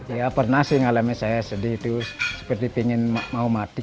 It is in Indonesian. ya pernah sih ngalamin saya sedih itu seperti ingin mau mati